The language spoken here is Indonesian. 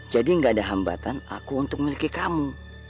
jadi nggak ada hambatan aku untuk memiliki kamu